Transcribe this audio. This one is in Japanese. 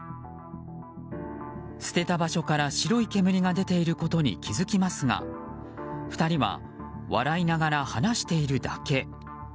捨てた場所から白い煙が出ていることに気づきますが、２人は笑いながら話しているだけ。